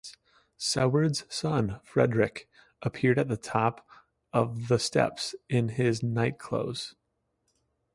Seward's son, Frederick, appeared at the top of the steps in his nightclothes.